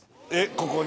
ここに？